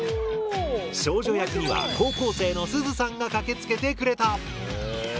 少女役には高校生のすずさんが駆けつけてくれた。